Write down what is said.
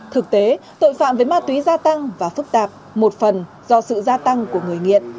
thực tế tội phạm về ma túy gia tăng và phức tạp một phần do sự gia tăng của người nghiện